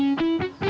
sampai jumpa lagi